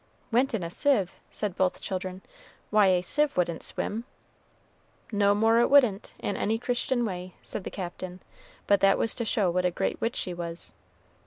"Went in a sieve!" said both children; "why a sieve wouldn't swim!" "No more it wouldn't, in any Christian way," said the Captain; "but that was to show what a great witch she was."